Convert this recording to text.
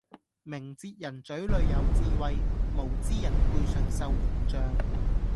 明哲人嘴裡有智慧，無知人背上受刑杖